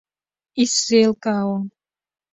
Исзеилкаауам!